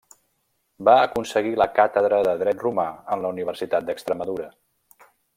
Va aconseguir la càtedra de Dret Romà en la Universitat d'Extremadura.